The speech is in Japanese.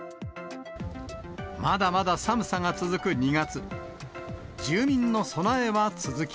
まだまだ寒さが続く２月。